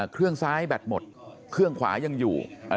เครื่องซ้ายแบตหมดเครื่องขวายังอยู่